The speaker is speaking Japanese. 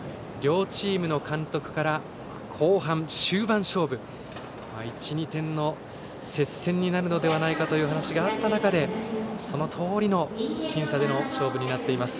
両チームの監督から後半、終盤勝負１２点の接戦になるのではないかという話がある中でそのとおりの僅差での勝負になっています。